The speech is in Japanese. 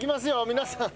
皆さん。